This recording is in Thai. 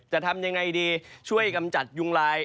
จะทำยังไงดีช่วยกำจัดยุงลาย